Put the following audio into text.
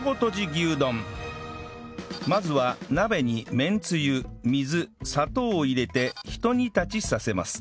まずは鍋にめんつゆ水砂糖を入れて一煮立ちさせます